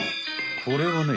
これはね